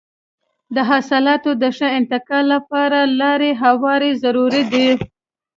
د حاصلاتو د ښه انتقال لپاره لاره هوارول ضروري دي.